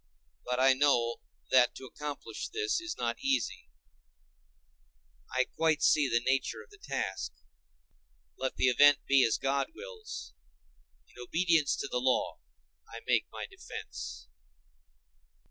But I know that to accomplish this is not easy—I quite see the nature of the task. Let the event be as God wills: in obedience to the law I make my defence.